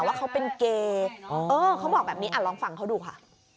ว่าเขาเป็นเกย์เขาบอกแบบนี้ลองฟังเขาดูค่ะ